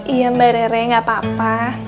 iya mbak rere nggak apa apa